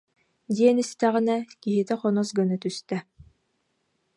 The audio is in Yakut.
диэн истэҕинэ, киһитэ хонос гына түстэ